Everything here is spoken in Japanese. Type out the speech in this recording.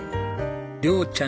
亮ちゃん